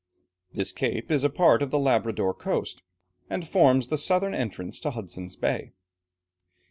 This cape is a part of the Labrador coast, and forms the southern entrance to Hudson's Bay.